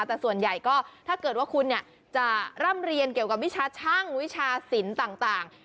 แต่ส่วนใหญ่ก็ถ้าเกิดว่าคุณจะร่ำเรียนเกี่ยวกับวิชาช่างวิชาศิลป์ต่าง